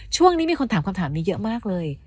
ช่วงนี้มีคนถามคำถามนี้เยอะมากเลย